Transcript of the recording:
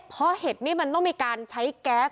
เพราะเห็ดนี่มันต้องมีการใช้แก๊ส